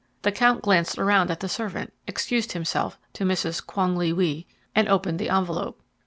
The count glanced around at the servant, excused himself to Mrs. Quong Li Wi, and opened the envelope.